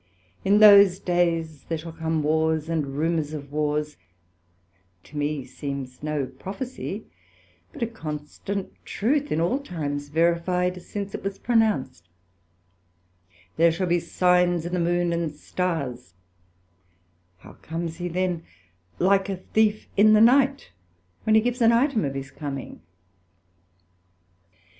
In those days there shall come Wars and rumours of Wars, to me seems no prophecy, but a constant truth, in all times verified since it was pronounced: There shall be signs in the Moon and Stars; how comes he then like a Thief in the night, when he gives an item of his coming?